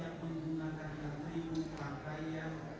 harus memaklumkan berangga dari